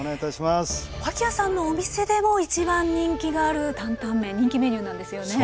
脇屋さんのお店でも一番人気がある担々麺人気メニューなんですよね。